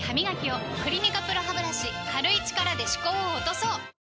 「クリニカＰＲＯハブラシ」軽い力で歯垢を落とそう！